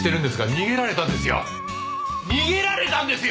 逃げられたんですよ！